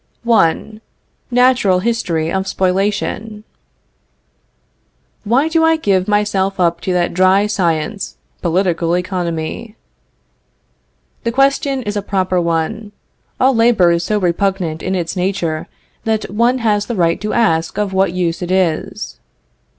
I. NATURAL HISTORY OF SPOLIATION. Why do I give myself up to that dry science, political economy? The question is a proper one. All labor is so repugnant in its nature that one has the right to ask of what use it is.